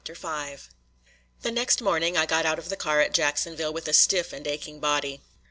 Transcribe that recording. V The next morning I got out of the car at Jacksonville with a stiff and aching body.